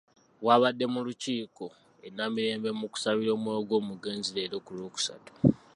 Bw'abadde mu Lukikko e Namirembe mu kusabira omwoyo gw'omugenzi leero ku Lwokusatu.